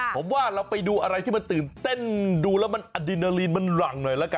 ผมว่าเราไปดูอะไรที่มันตื่นเต้นดูแล้วมันอดินาลีนมันหลังหน่อยละกัน